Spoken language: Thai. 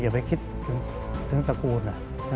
อย่าไปคิดถึงตระกูล